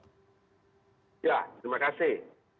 ya terima kasih